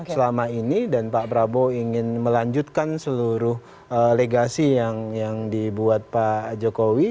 selama ini dan pak prabowo ingin melanjutkan seluruh legasi yang dibuat pak jokowi